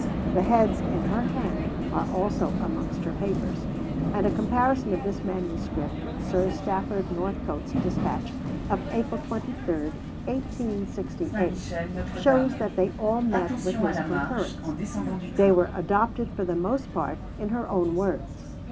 The heads, in her hand, are also amongst her papers, and a comparison of this manuscript with Sir Stafford Northcote's dispatch of April 23, 1868, shows that they all met with his concurrence; they were adopted for the most part in her own words.